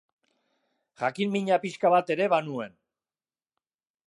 Jakin-min pixka bat ere banuen.